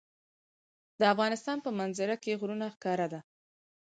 د افغانستان په منظره کې غرونه ښکاره ده.